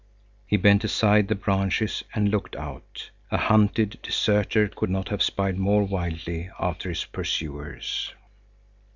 He bent aside the branches and looked out. A hunted deserter could not have spied more wildly after his pursuers.